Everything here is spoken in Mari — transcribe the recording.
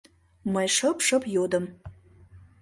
Мый шып-шып йодым: